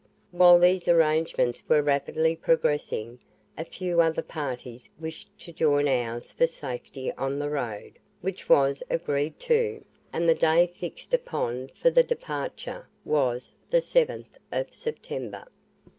While these arrangements were rapidly progressing, a few other parties wished to join ours for safety on the road, which was agreed to, and the day fixed upon for the departure was the 7th of September.